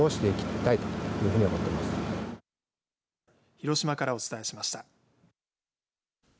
広島からお伝えしました。